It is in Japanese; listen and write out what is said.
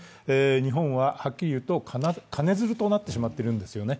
日本ははっきり言うと、金づるとなってしまっているんですね。